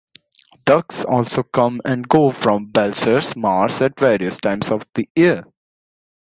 Ducks also come and go from Belchers Marsh at various times of the year.